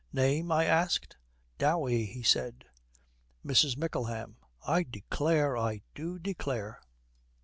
"Name?" I asked. "Dowey," he said.' MRS. MICKLEHAM. 'I declare. I do declare.'